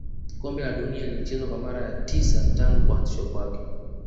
kombe la dunia lilichezwa kwa mara ya tisa tangu kuanzishwa kwake